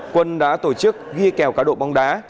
quân đã tổ chức ghi kèo cá độ bóng đá